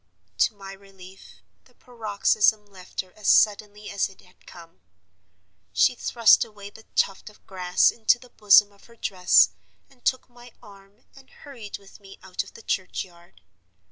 To my relief, the paroxysm left her as suddenly as it had come. She thrust away the tuft of grass into the bosom of her dress, and took my arm and hurried with me out of the churchyard.